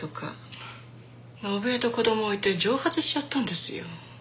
伸枝と子供を置いて蒸発しちゃったんですよ。